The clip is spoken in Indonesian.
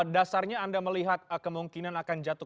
dasarnya anda melihat kemungkinan akan jatuh